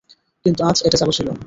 কিন্তু আজ, এটা চালু ছিল।